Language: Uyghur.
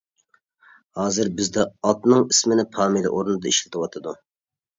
ھازىر بىزدە ئاتىنىڭ ئىسمىنى فامىلە ئورنىدا ئىشلىتىۋاتىدۇ.